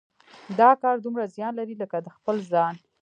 دا کار دومره زیان لري لکه د خپل ځان.